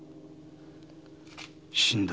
死んだ。